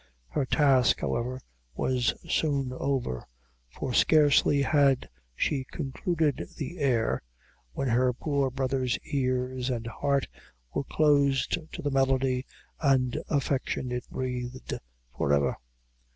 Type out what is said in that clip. Her task, however, was soon over; for scarcely had she concluded the air, when her poor brother's ears and heart were closed to the melody and affection it breathed, forever.